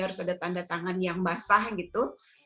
harus ada tanda tangan yang basah gitu